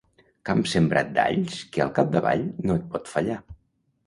Camp sembrat d'alls que al capdavall no et pot fallar.